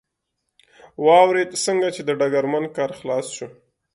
واورېد، څنګه چې د ډګرمن کار خلاص شو.